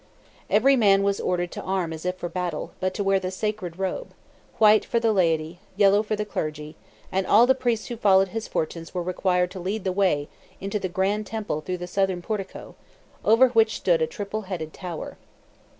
Every man was ordered to arm as if for battle, but to wear the sacred robe, white for the laity, yellow for the clergy; and all the priests who followed his fortunes were required to lead the way into the grand temple through the southern portico, over which stood a triple headed tower.